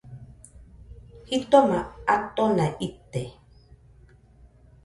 Jitoma atona ite